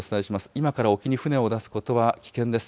今から沖に船を出すことは危険です。